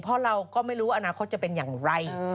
เพราะเราก็ไม่รู้อนาคตจะเป็นอย่างไร